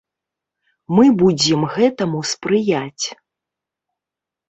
Мы будзем гэтаму спрыяць.